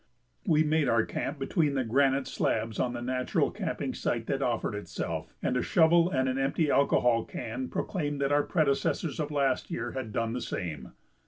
We made our camp between the granite slabs on the natural camping site that offered itself, and a shovel and an empty alcohol can proclaimed that our predecessors of last year had done the same.